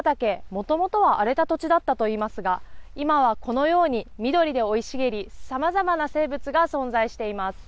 元々は荒れた土地だったといいますが今はこのように緑で生い茂り様々な生物が存在しています。